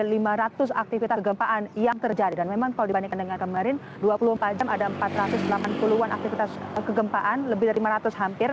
tergantung dari setelah jam ke enam belas dan ke tujuh belas yang terjadi dan memang kalau dibandingkan dengan kemarin dua puluh empat jam ada empat ratus delapan puluh an aktivitas kegempaan lebih dari lima ratus hampir